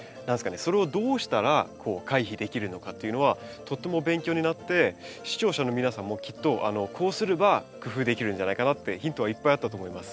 それをどうしたら回避できるのかというのはとっても勉強になって視聴者の皆さんもきっとこうすれば工夫できるんじゃないかなってヒントはいっぱいあったと思います。